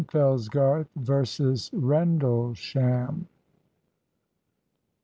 FELLSGARTH VERSUS RENDLESHAM.